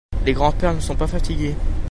Les grands-pères ne sont pas fatigués.